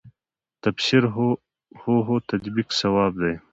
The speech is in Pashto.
تفسیر هو هو تطبیق صواب وي.